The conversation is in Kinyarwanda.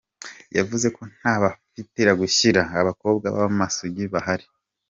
Yavuze ko nta bapfira gushira, abakobwa b’amasugi bahari.